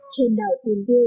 trên đảo tiền tiêu